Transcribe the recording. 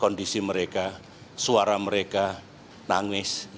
kondisi mereka suara mereka nangis